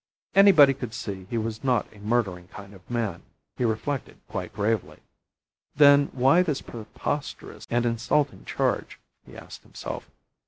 Anybody could see he was not a murdering kind of man, he reflected quite gravely. Then why this preposterous and insulting charge? he asked himself.